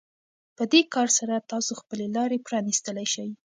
په دې کار سره تاسو خپلې لارې پرانيستلی شئ.